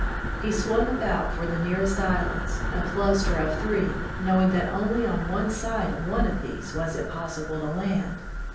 He swung about for the nearest islands, a cluster of three, knowing that only on one side of one of these was it possible to land.